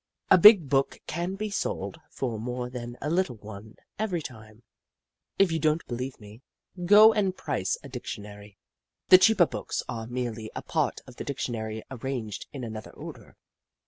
A big book can be sold for more than a little one, every time. If you don't believe me, go and price a Jim Crow 133 dictionary. The cheaper books are merely a part of the dictionary arranged in another order.